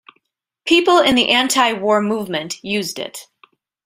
People in the anti-war movement used it.